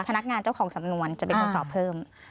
พนักงานเจ้าของสำนวนจะเป็นคนสอบเพิ่ม